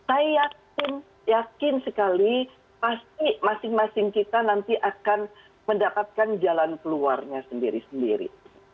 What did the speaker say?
saya yakin sekali pasti masing masing kita nanti akan mendapatkan jalan keluarnya sendiri sendiri